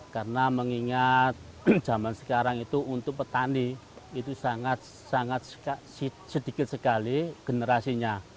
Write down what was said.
karena mengingat zaman sekarang itu untuk petani itu sangat sedikit sekali generasinya